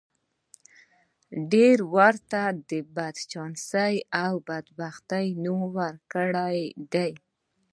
ډېرو ورته د بدچانسۍ او بدبختۍ نوم ورکړی دی